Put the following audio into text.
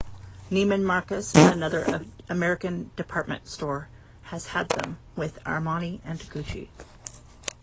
Neiman Marcus, another American department store, has had them with Armani and Gucci.